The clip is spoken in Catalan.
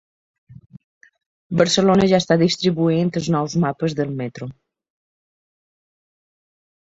Barcelona ja està distribuint els nous mapes del metro